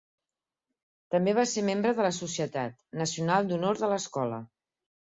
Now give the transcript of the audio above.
També va ser membre de la Societat Nacional d'Honor de l'escola.